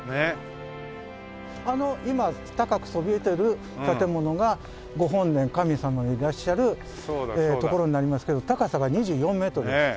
あの今高くそびえてる建物が御本殿神様がいらっしゃる所になりますけど高さが２４メートルです。